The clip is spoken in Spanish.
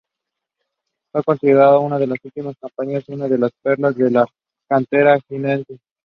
Fue considerado en las últimas campañas una de las perlas de la cantera jiennense.